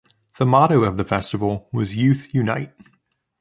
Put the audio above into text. The motto of the festival was: Youth Unite!